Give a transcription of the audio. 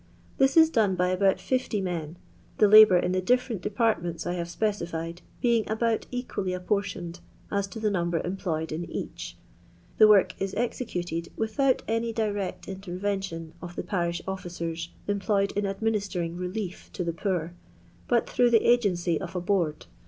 This is done by about 50 men, the labour in the different depart ments I have specified being about equally ap portioned a^ to the number employed in each. The work is executed without any direct intervention of the parish officen employed in administering reli^ to the poor, but through the agency of a board.